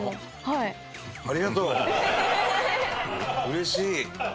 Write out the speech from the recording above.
うれしい！